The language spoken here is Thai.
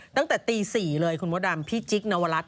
ตั้งแต่ตี๔เลยคุณมดดำพี่จิ๊กนวรัฐ